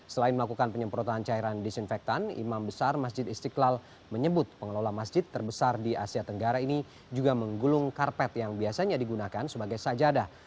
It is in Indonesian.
selain melakukan penyemprotan cairan disinfektan imam besar masjid istiqlal menyebut pengelola masjid terbesar di asia tenggara ini juga menggulung karpet yang biasanya digunakan sebagai sajadah